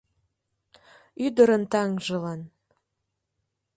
Ӱдырын таҥжылан.